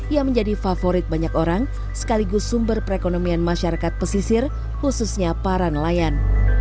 yang menjadi favorit banyak orang sekaligus sumber perekonomian masyarakat pesisir khususnya para nelayan